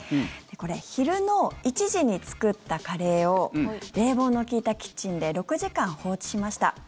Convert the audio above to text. これ、昼の１時に作ったカレーを冷房の利いたキッチンで６時間放置しました。